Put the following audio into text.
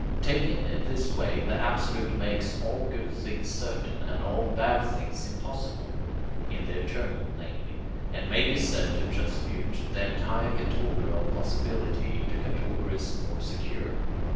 Taken in this way, the absolute makes all good things certain, and all bad things impossible (in the eternal, namely), and may be said to transmute the entire category of possibility into categories more secure.